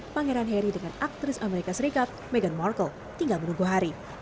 pangeran harry dengan aktris amerika serikat meghan markle tinggal menunggu hari